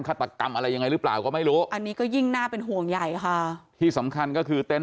ฆาตกรรมอะไรยังไงหรือเปล่าก็ไม่รู้อันนี้ก็ยิ่งน่าเป็นห่วงใหญ่ค่ะที่สำคัญก็คือเต้น